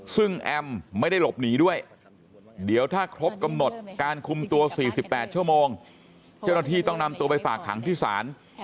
ซึ่งแอมไม่ได้หลบหนีด้วยเดี๋ยวถ้าครบกำหนดการคุมตัว๔๘ชั่วโมงเจ้าหน้าที่ต้องนำตัวไปฝากขังที่ศาล